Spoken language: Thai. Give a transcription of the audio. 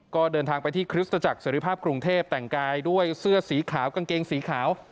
ก็เดินทางไปที่คริสตจักรเสรีภาพกรุงเทพแต่งกายด้วยเสื้อสีขาวกางเกงสีขาว